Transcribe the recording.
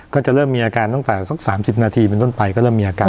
ก็จะเริ่มมีอาการตั้งแต่สัก๓๐นาทีเป็นต้นไปก็เริ่มมีอาการ